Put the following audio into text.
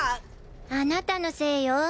あなたのせいよ。